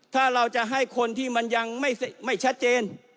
ถ้าเราจะให้คนที่มันยังไม่ชัดเจน